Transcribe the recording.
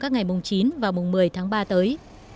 các ngày mùng chín và mùng một mươi tháng ba tới